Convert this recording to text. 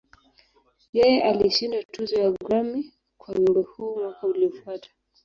Yeye alishinda tuzo ya Grammy kwa wimbo huu mwaka uliofuata.